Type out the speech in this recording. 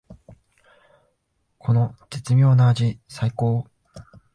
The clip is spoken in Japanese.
この絶妙な味さいこー！